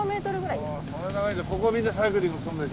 ここをみんなサイクリングするんでしょ？